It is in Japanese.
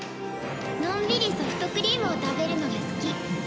のんびりソフトクリームを食べるのが好き。